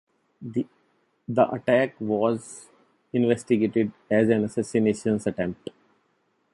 The attack was investigated as an assassination attempt.